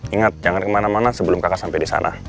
ingat jangan kemana mana sebelum kakak sampai di sana